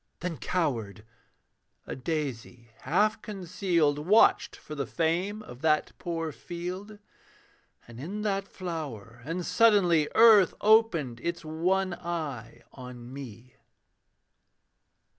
Then cowered: a daisy, half concealed, Watched for the fame of that poor field; And in that flower and suddenly Earth opened its one eye on me.